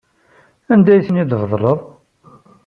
Anda ay ten-id-tbeddleḍ?